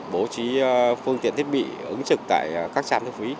bố trí phương tiện thiết bị ứng trực tại các trạm thu phí